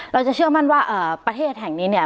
เราจะเชื่อมั่นว่าประเทศแห่งนี้เนี่ย